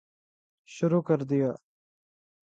شروع کردیا